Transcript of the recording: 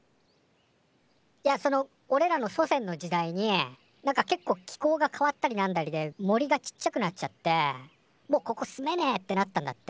いやそのおれらの祖先の時代になんかけっこう気候が変わったりなんだりで森がちっちゃくなっちゃってもうここ住めねえってなったんだって。